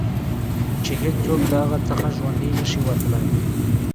چې هېڅوک د هغه څخه ژوندي نه شي وتلای.